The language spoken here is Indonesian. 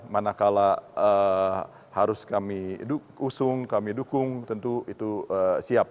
manakala harus kami usung kami dukung tentu itu siap